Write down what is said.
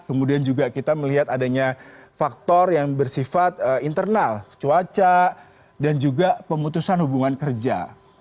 kemudian juga kita melihat adanya faktor yang bersifat internal cuaca dan juga pemutusan hubungan kerja